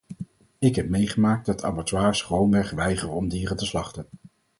Ik heb meegemaakt dat abattoirs gewoonweg weigeren om dieren te slachten.